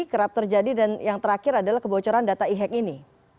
kerap terjadi dan yang terakhir adalah kebocoran data e hack ini